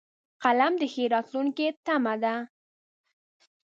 قلم د ښې راتلونکې تمه ده